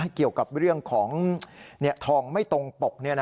เกี่ยวกับเรื่องของทองไม่ตรงปก